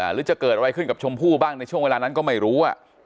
หรือจะเกิดอะไรขึ้นกับชมพู่บ้างในช่วงเวลานั้นก็ไม่รู้